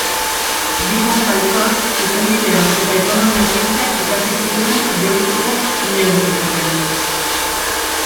Bilbon jaioa, Zuzenbidea eta Ekonomia zientziak ikasi zituen Deustuko Unibertsitatean.